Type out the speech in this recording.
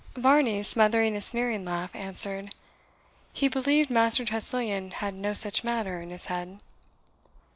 Varney, smothering a sneering laugh, answered, "He believed Master Tressilian had no such matter in his head."